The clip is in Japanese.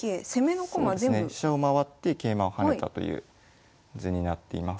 飛車を回って桂馬を跳ねたという図になっています。